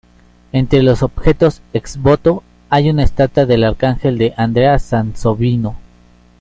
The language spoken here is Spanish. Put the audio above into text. Entre los objetos "ex voto" hay una estatua del Arcángel de Andrea Sansovino.